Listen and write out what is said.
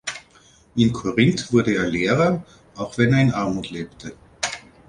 In Korinth wurde er Lehrer, auch wenn er in Armut lebte.